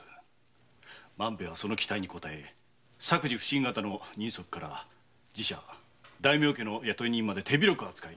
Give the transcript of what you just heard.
万兵衛はその期待に応え作事普請方の人足から寺社大名家の雇い人まで手広く扱いのしあがりました。